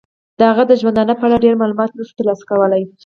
د هغه د ژوندانه په اړه ډیر معلومات نشو تر لاسه کولای.